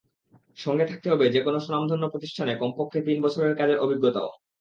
সঙ্গে থাকতে হবে যেকোনো স্বনামধন্য প্রতিষ্ঠানে কমপক্ষে তিন বছরের কাজের অভিজ্ঞতাও।